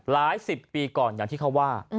หลายสิบปีก่อนอย่างที่เขาว่า